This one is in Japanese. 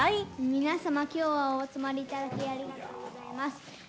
皆様、きょうはお集まりいただき、ありがとうございます。